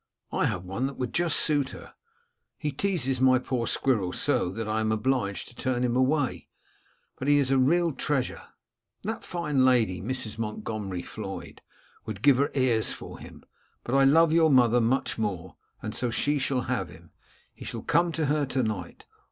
I have one that would just suit her. He teases my poor squirrel so that I am obliged to turn him away; but he is a real treasure. That fine lady, Mrs. Montgomery Floyd, would give her ears for him; but I love your mother much more, and so she shall have him. He shall come to her to night.